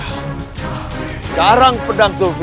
sekarang pedang zulfika ini